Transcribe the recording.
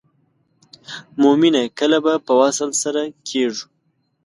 مومنه کله به په وصل سره کیږو.